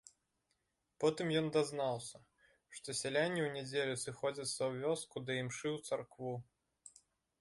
Потым ён дазнаўся, што сяляне ў нядзелю сыходзяцца ў вёску да імшы ў царкву.